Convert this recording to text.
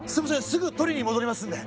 すぐ取りに戻りますんで。